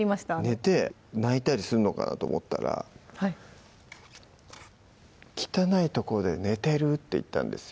寝て泣いたりするのかなと思ったら「汚い所で寝てる」って言ったんですよ